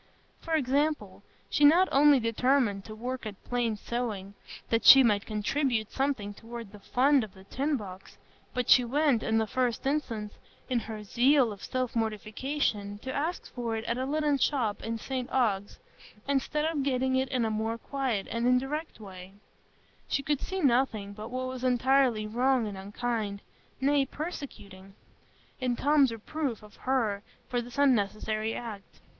For example, she not only determined to work at plain sewing, that she might contribute something toward the fund in the tin box, but she went, in the first instance, in her zeal of self mortification, to ask for it at a linen shop in St Ogg's, instead of getting it in a more quiet and indirect way; and could see nothing but what was entirely wrong and unkind, nay, persecuting, in Tom's reproof of her for this unnecessary act.